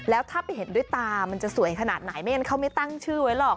แล้วถ้าไปเห็นด้วยตามันจะสวยขนาดไหนไม่งั้นเขาไม่ตั้งชื่อไว้หรอก